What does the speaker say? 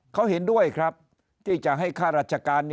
ไม่ได้ด้วยครับที่จะให้ค่าราชการ